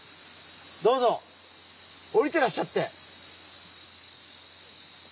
どうぞ下りてらっしゃって。